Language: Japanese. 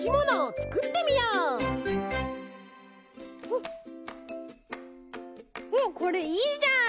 おっこれいいじゃん。